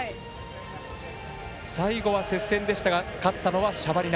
最後は接戦でしたが勝ったのはシャバリナ。